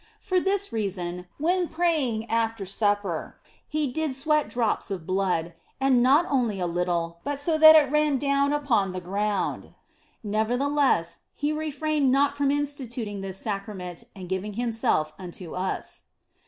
For this reason, when praying after supper, He did sweat drops of blood, and not only a little, but so that it ran down upon the ground. Nevertheless, He refrained not from instituting this Sacrament and giving Himself unto us.